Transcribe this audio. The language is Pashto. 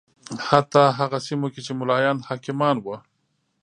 حتی هغه سیمو کې چې ملایان حاکمان و